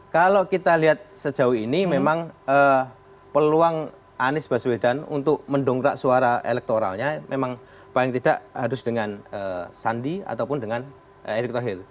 kalau kita lihat sejauh ini memang peluang anies baswedan untuk mendongkrak suara elektoralnya memang paling tidak harus dengan sandi ataupun dengan erick thohir